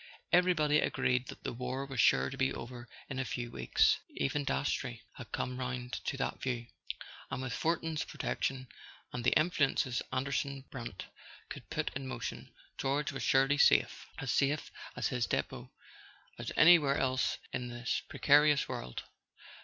Everybody agreed that the war was sure to be over in a few weeks; even Dastrey had come round to that view; and with Fortin's protection, and the influences Anderson Brant could put in motion, George was surely safe—as safe at his depot as anywhere else in this pre¬ carious world.